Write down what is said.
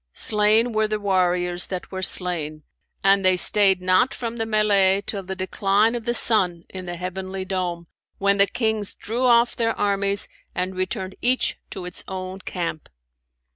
Slain were the warriors that were slain[FN#556] and they stayed not from the mellay till the decline of the sun in the heavenly dome, when the Kings drew off their armies and returned each to its own camp.